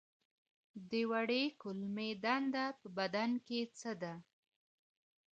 د وړې کولمې دنده په بدن کې څه ده